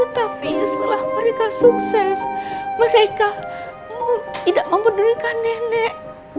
tapi setelah mereka sukses mereka tidak mempedulikan nenek